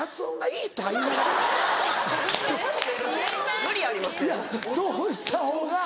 いやそうしたほうが。